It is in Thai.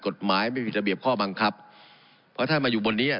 กฎหมายไม่มีระเบียบข้อบังคับเพราะถ้ามาอยู่บนนี้อ่ะ